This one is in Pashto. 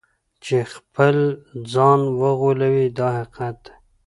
چې خپل ځان وغولوي دا حقیقت دی.